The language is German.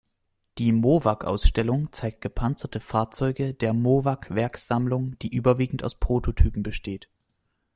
Die Mowag-Ausstellung zeigt gepanzerte Fahrzeuge der Mowag-Werkssammlung, die überwiegend aus Prototypen besteht.